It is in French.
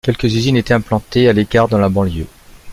Quelques usines étaient implantées à l'écart dans la banlieue.